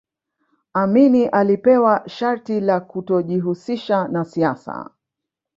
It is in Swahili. amini alipewa sharti la kutojihusisha na siasa